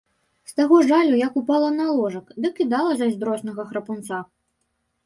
З таго жалю, як упала на ложак, дык і дала зайздроснага храпунца.